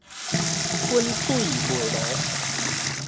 滾水袂濁